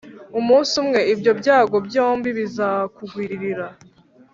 umunsi umwe, ibyo byago byombi bizakugwirira :